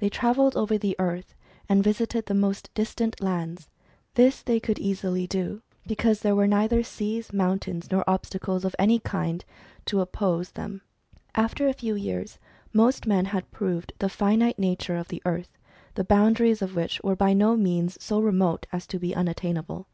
They travelled over the earth, and visited the most distant lands. This they could easily do, because there were neither seas, mountains, nor obstacles of any kind to oppose them. After a few years, most men had proved the finite nature of the earth, the boundaries of which were by no means so remote as to be unattainable.